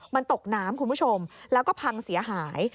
มันตกน้ำคุณผู้ชมแล้วก็พังเสียหาย